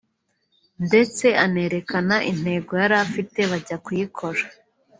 ndetse anerekana intego yari afite bajya kuyikora